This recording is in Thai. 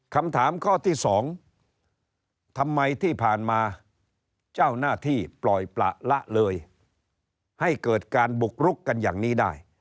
คำถามข้อที่๒ทำไมที่ผ่านมาเจ้าหน้าที่ปล่อยประละเลยให้เกิดการบุกรุกกันอย่างนี้ได้